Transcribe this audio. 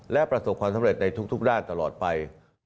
และประสบความสำเร็จในทุกด้านตลอดไป